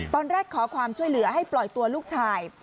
ตอนแรกขอความช่วยเหลือให้ปล่อยตัวลูกชาย